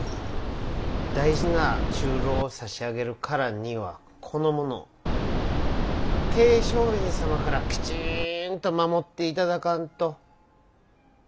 大事な中臈を差し上げるからにはこの者桂昌院様からきちんと守って頂かんと。